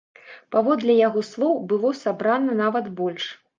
Паводле яго слоў, было сабрана нават больш.